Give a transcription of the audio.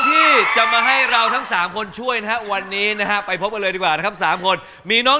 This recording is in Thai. ที่จะมาให้เราทั้ง๓คนช่วยนะฮะวันนี้นะฮะไปพบกันเลยดีกว่านะครับ๓คนมีน้อง